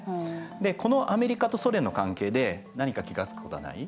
でこのアメリカとソ連の関係で何か気が付くことはない？